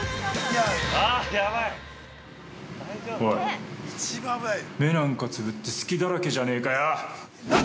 ◆おい、目なんかつぶって隙だらけじゃねえかよ。